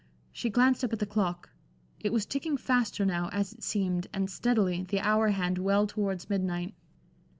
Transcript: She glanced up at the clock. It was ticking faster now, as it seemed, and steadily, the hour hand well towards midnight.